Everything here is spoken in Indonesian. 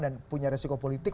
dan punya resiko politik